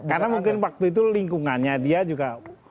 karena mungkin waktu itu lingkungannya dia juga